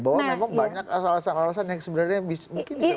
bahwa memang banyak alasan alasan yang sebenarnya mungkin bisa